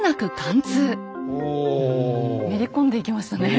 めり込んでいきましたね。